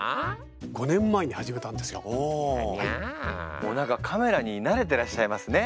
もう何かカメラに慣れてらっしゃいますね。